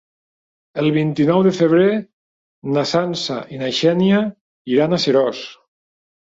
El vint-i-nou de febrer na Sança i na Xènia iran a Seròs.